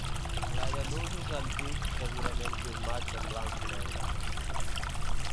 Ple de nusos antics, segurament filmats en blanc i negre.